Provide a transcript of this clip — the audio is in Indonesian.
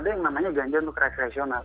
yang namanya ganja untuk rekreasional